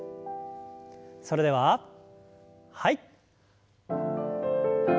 それでははい。